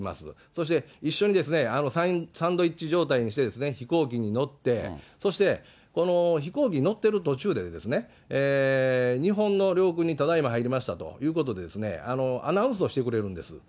そして一緒にサンドイッチ状態にして飛行機に乗って、そして飛行機に乗ってる途中で、日本の領空にただ今入りましたということで、アナウンスをしてくれるんです。